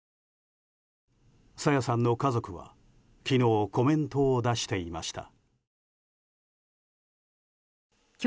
朝芽さんの家族は昨日コメントを出していました。